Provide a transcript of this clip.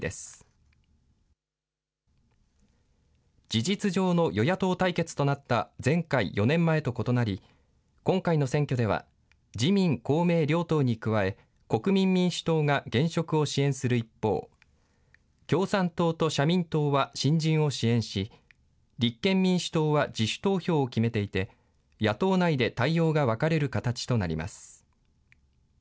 事実上の与野党対決となった、前回・４年前と異なり、今回の選挙では、自民、公明両党に加え、国民民主党が現職を支援する一方、共産党と社民党は新人を支援し、立憲民主党は自主投票を決めていて、野党内で対応が分かれる形となります。